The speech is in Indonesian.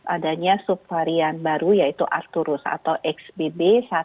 adanya subvarian baru yaitu arturus atau xbb satu enam belas